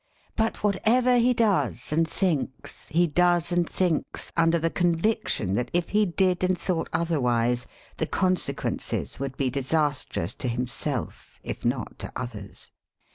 But whatever he does and thinks he does and thinks under the conviction that if he did and thought otherwise the consequences would be dis astrous to himself if not to others.